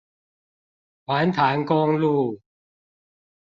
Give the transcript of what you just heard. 環潭公路